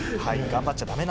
頑張っちゃダメ。